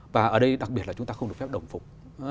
và ở đây đặc biệt là chúng ta không được phép đồng phục